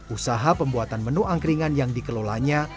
usaha pembuatan menu angkringan yang dikelolanya